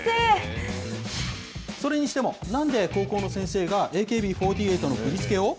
それにしても、なんで高校の先生が、ＡＫＢ４８の振り付けを？